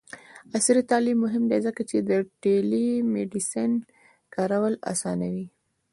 عصري تعلیم مهم دی ځکه چې د ټیلی میډیسین کارول اسانوي.